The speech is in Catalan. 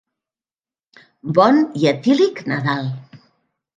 Bon i etílic Nadal.